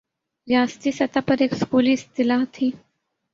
ریاستی سطح پر ایک سکولی اصطلاح تھِی